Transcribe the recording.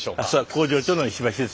工場長の石橋です。